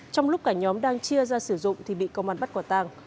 trong lúc cả nhóm đang chia ra sử dụng thì bị công an bắt quả tàng